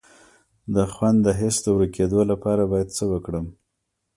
د خوند د حس د ورکیدو لپاره باید څه وکړم؟